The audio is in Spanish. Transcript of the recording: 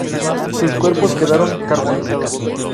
Sus cuerpos quedaron carbonizados.